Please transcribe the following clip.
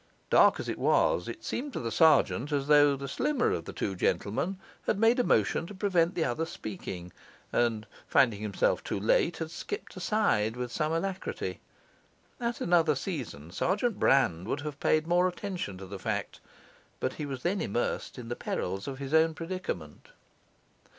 Dark as it was, it seemed to the sergeant as though the slimmer of the two gentlemen had made a motion to prevent the other speaking, and (finding himself too late) had skipped aside with some alacrity. At another season, Sergeant Brand would have paid more attention to the fact; but he was then immersed in the perils of his own predicament.